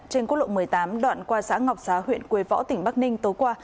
trên quốc lộ một mươi tám đoạn qua xã ngọc xá huyện quế võ tỉnh bắc ninh tối qua